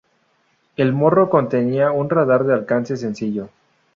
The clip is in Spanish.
El morro contenía un radar de alcance sencillo.